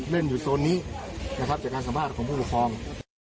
เล่นอยู่โซนนี้นะครับจากการสัมภาษณ์ของผู้ปกครอง